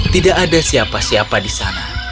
tidak ada siapa siapa di sana